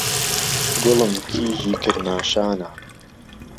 گوڵم کیژی کرماشانا